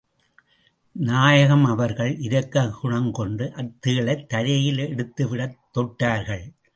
நாயகம் அவர்கள் இரக்ககுணம் கொண்டு, அத் தேளைத் தரையில் எடுத்துவிடத் தொட்டார்கள்.